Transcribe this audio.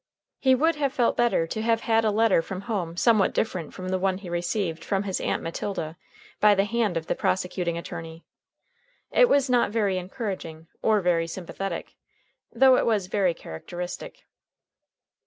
He would have felt better to have had a letter from home somewhat different from the one he received from his Aunt Matilda by the hand of the prosecuting attorney. It was not very encouraging or very sympathetic, though it was very characteristic.